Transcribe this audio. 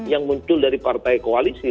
yang muncul dari partai koalisi